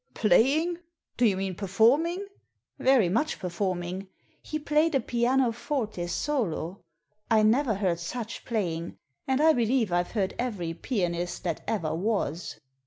"Playing! Do you mean performing?" "Very much performing. He played a pianoforte solo. I never heard such playing, and I believe I've heard every pianist that ever was."